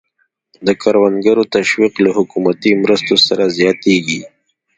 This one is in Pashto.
د کروندګرو تشویق له حکومتي مرستو سره زیاتېږي.